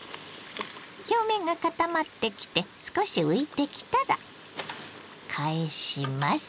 表面が固まってきて少し浮いてきたら返します。